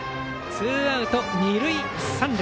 ツーアウト二塁三塁。